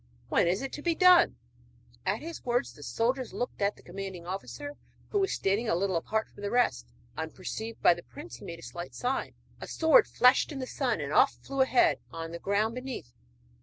When is it to be done?' At his words the soldiers looked at the commanding officer, who was standing a little apart from the rest. Unperceived by the prince he made a slight sign, a sword flashed in the sun, and off flew a head on the ground beneath!